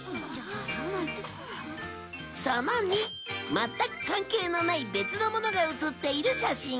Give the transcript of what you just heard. その２まったく関係のない別のものが写っている写真。